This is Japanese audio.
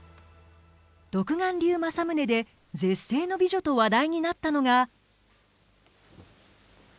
「独眼竜政宗」で絶世の美女と話題になったのが。